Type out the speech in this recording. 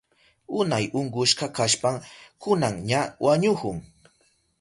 Unay unkushka kashpan kunan ña wañuhun